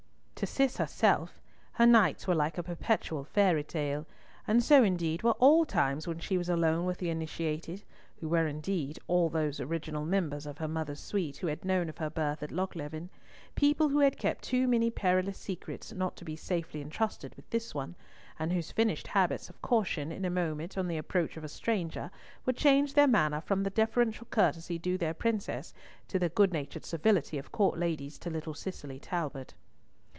To Cis herself, her nights were like a perpetual fairy tale, and so indeed were all times when she was alone with the initiated, who were indeed all those original members of her mother's suite who had known of her birth at Lochleven, people who had kept too many perilous secrets not to be safely entrusted with this one, and whose finished habits of caution, in a moment, on the approach of a stranger, would change their manner from the deferential courtesy due to their princess, to the good natured civility of court ladies to little Cicely Talbot.